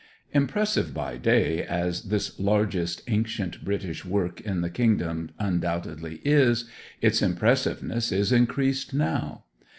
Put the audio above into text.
Impressive by day as this largest Ancient British work in the kingdom undoubtedly is, its impressiveness is increased now.